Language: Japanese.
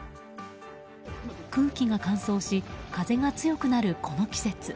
空気が乾燥し風が強くなるこの季節。